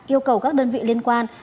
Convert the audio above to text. yêu cầu các đơn vị liên quan